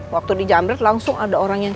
waktu di jamret langsung ada orang yang